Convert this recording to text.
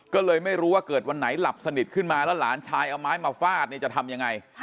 ก็เลยไม่รู้ว่าเกิดวันไหนหลับสนิทขึ้นมาแล้วหลานชายเอาไม้มาฟาดเนี่ยจะทำยังไง